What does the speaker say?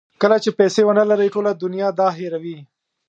کله چې پیسې ونلرئ ټوله دنیا دا هیروي.